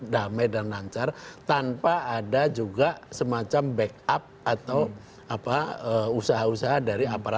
damai dan lancar tanpa ada juga semacam backup atau usaha usaha dari apa apa